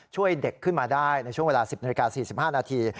ช่วยเด็กขึ้นมาได้ในช่วงเวลา๑๐นาฬิกา๔๕นาที